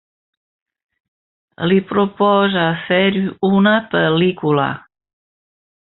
Li proposa fer una pel·lícula.